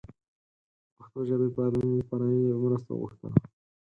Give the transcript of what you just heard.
د پښتو ژبې پالنې لپاره یې مرسته وغوښتله.